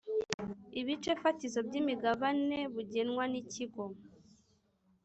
ibice fatizo by’imigabane bugenwa n Ikigo